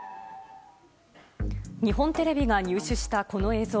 日本テレビが入手したこの映像。